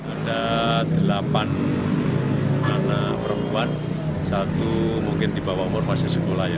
ada delapan anak perempuan satu mungkin di bawah umur masih sekolah ya